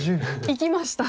いきました。